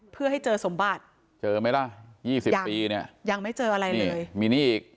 เพื่อให้เจอสมบัติเจอไหมล่ะ๒๐ปีเนี่ยยังไม่เจออะไรเลยมีหนี้อีก